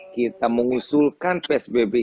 kita mengusulkan psbb